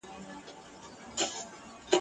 تا په پټه هر څه وکړل موږ په لوڅه ګناه کار یو !.